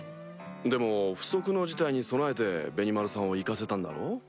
でも不測の事態に備えてベニマルさんを行かせたんだろう？